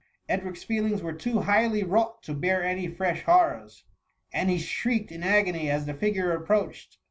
Edric's feelings were too highly wrought to bear any fresh horrors, and he shrieked in agony as the figure approached.